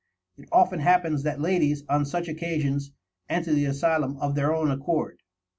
It often happens that ladies, on such occasions, enter the asylum of their own accord.